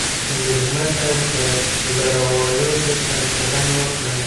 مېلمه ته له روایاتو سره چلند وکړه.